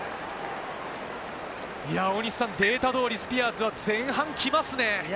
大西さんデータ通り、スピアーズは前半きますね。